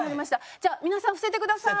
じゃあ皆さん伏せてください。